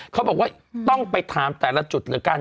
เขาบอกว่าต้องไปถามแต่ละจุดเหมือนกัน